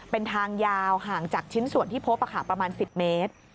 เป็นทางยาวห่างจากชิ้นส่วนที่พบประมาณ๑๐เมตร